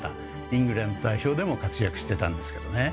イングランド代表でも活躍してたんですけどね。